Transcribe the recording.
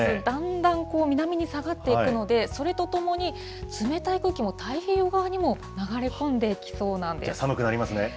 だんだん南に下がっていくので、それとともに冷たい空気も、太平洋側にも流れ込んできそうなんです。